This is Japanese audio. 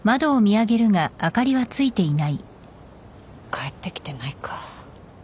帰ってきてないか。